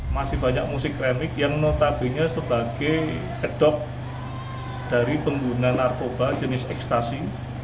masih banyak musik kramik yang notabene sebagai kedok dari pengguna narkoba jenis ekstasi